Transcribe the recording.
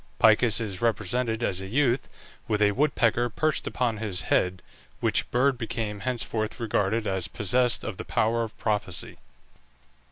Picus is represented as a youth, with a woodpecker perched upon his head, which bird became henceforth regarded as possessed of the power of prophecy.